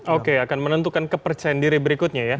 oke akan menentukan kepercayaan diri berikutnya ya